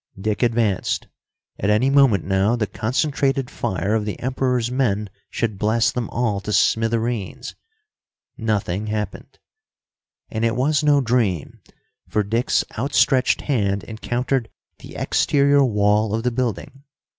Dick advanced. At any moment now the concentrated fire of the Emperor's men should blast them all to smithereens. Nothing happened. And it was no dream, for Dick's outstretched hand encountered the exterior wall of the building.